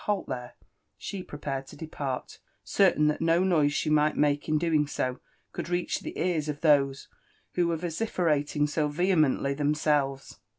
83$ halt Ihere, she prepared to depart, certain that no noise she might make in doing so could reach the ears ot those who were vociferating so vehemently themselves.